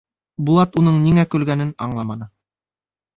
Булат уның ниңә көлгәнен аңламаны.